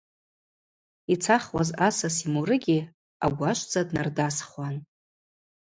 Йцахуаз асас ймурыгьи агвашвдза днардасхуан.